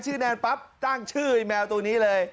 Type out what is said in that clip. แนนปั๊บตั้งชื่อไอ้แมวตัวนี้เลย